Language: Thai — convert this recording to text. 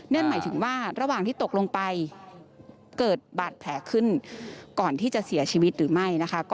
นั่นหมายถึงว่าระหว่างที่ตกลงไปเกิดบาดแผลขึ้นก่อนที่จะเสียชีวิตหรือไม่นะคะ